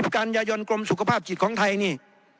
กันยายนกรมสุขภาพจิตของไทยนี่